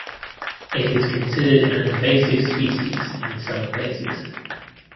It is considered an invasive species in some places.